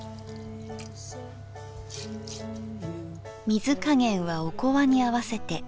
水加減はおこわに合わせて。